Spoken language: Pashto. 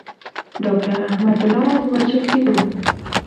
داکتر احمد الله د وژل کیدو.